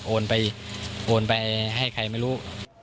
โอนไปโอนไปให้ใครไม่รู้